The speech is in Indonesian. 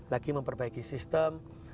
lagi memperbaiki sistem